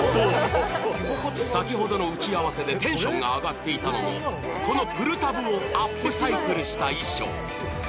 先ほどの打ち合わせでテンションが上がっていたのも、このプルタブをアップサイクルした衣装。